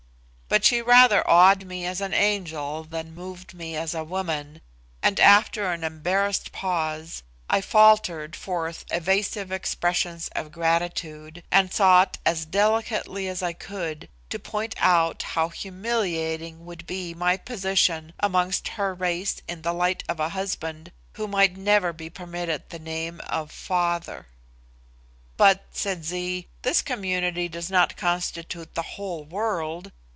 But she rather awed me as an angel than moved me as a woman, and after an embarrassed pause, I faltered forth evasive expressions of gratitude, and sought, as delicately as I could, to point out how humiliating would be my position amongst her race in the light of a husband who might never be permitted the name of father. "But," said Zee, "this community does not constitute the whole world.